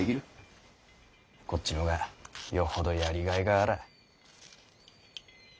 こっちのがよほどやりがいがあらぁ。